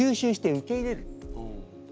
受け入れる。